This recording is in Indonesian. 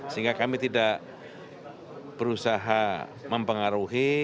sehingga kami tidak berusaha mempengaruhi